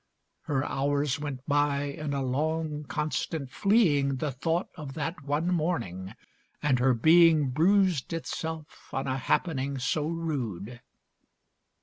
Her hours went by in a long constant fleeing The thought of that one morning. And her being Bruised itself on a happening so rude.